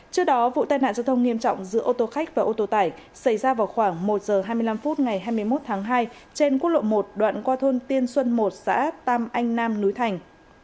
trước đó vụ tai nạn giao thông nghiêm trọng giữa ô tô khách và ô tô tải xảy ra vào khoảng một h hai mươi năm phút ngày hai mươi một tháng hai trên quốc lộ một đoạn qua thôn tiên xuân một xã tam anh nam núi thành